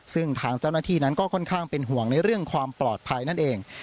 ซึ่งทางเจ้าหน้าที่นั้นก็ค่อนข้างเป็นห่วงในเรื่องความปลอดภัยนั่นเอง